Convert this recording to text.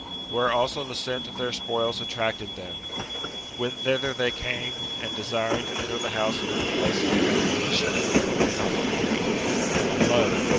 Where also the scent of their spoils attracted them, thither they came ; and, desiring to enter the house in the place of the young Boeotian, they knock at the gate. Whetr, lo